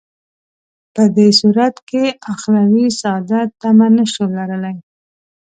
په دې صورت کې اخروي سعادت تمه نه شو لرلای.